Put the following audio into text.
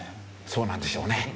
そうなんでしょうね。